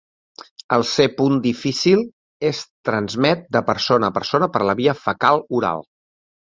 El "C. difficile" es transmet de persona a persona per la via fecal-oral.